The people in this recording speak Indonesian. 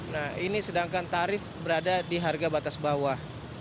nah ini sedangkan tarif berada di harga batas bawah